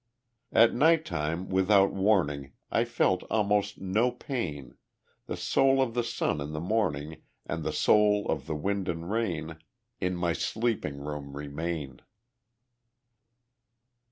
At night time without warning, I felt almost to pain The soul of the sun in the morning, And the soul of the wind and rain In my sleeping room remain.